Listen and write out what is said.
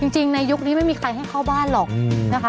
ในยุคนี้ไม่มีใครให้เข้าบ้านหรอกนะคะ